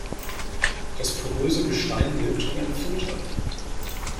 Das poröse Gestein wirkt wie ein Filter.